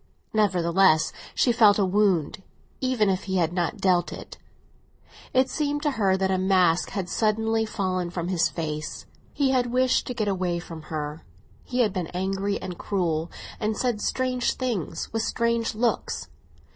Nevertheless, she felt a wound, even if he had not dealt it; it seemed to her that a mask had suddenly fallen from his face. He had wished to get away from her; he had been angry and cruel, and said strange things, with strange looks.